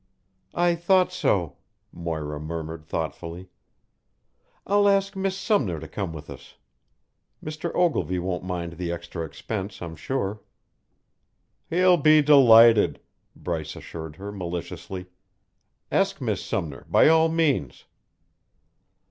"I thought so," Moira murmured thoughtfully. "I'll ask Miss Sumner to come with us. Mr. Ogilvy won't mind the extra expense, I'm sure." "He'll be delighted," Bryce assured her maliciously. "Ask Miss Sumner, by all means."